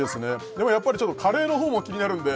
「でもやっぱりカレーのほうも気になるんで」